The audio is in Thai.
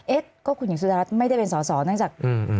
เอ๊ะก็คุณหญิงสุดารัฐไม่ได้เป็นสอสอเนื่องจาก